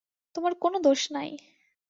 তোমার কোনো দোষ নাই।